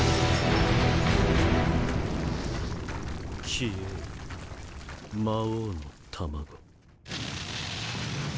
消えよ魔王の卵。